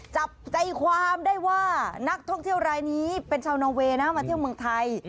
จับใจความได้ว่านักท่องเที่ยวรายนี้เป็นชาวนอเวย์นะมาเที่ยวเมืองไทย